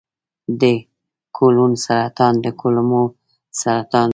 د کولون سرطان د کولمو سرطان دی.